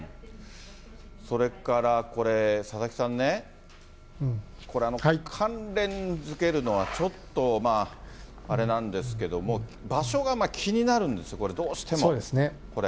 それからこれ、佐々木さんね、これ関連づけるのはちょっとまあ、あれなんですけども、場所が気になるんですよ、どうしても。